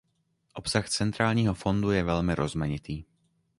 Obsah centrálního fondu je velmi rozmanitý.